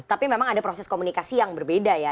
tapi memang ada proses komunikasi yang berbeda ya